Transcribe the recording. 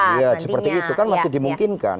ya seperti itu kan masih dimungkinkan